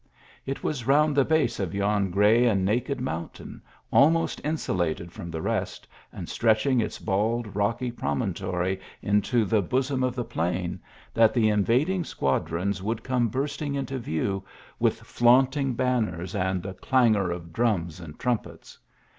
It was round the base of yon gray snd naked mountain, almost insu lated from the rest, and stretching its ba i rocky pro montory into the bosom of the plain, that the invad ing squadrons would come bursting into view, with flaunting banners and the clangour of drums and trumpets.